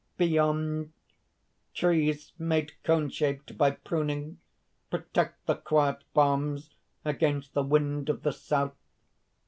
Beyond, trees, made cone shaped by pruning, protect the quiet farms against the wind of the south.